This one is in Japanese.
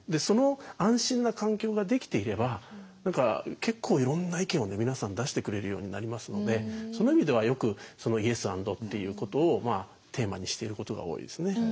その安心な環境ができていれば結構いろんな意見を皆さん出してくれるようになりますのでその意味ではよく「イエス・アンド」っていうことをテーマにしていることが多いですね。